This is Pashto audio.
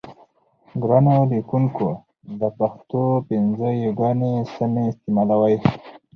ګرانو لیکوونکو د پښتو پنځه یاګانې سمې استعمالوئ.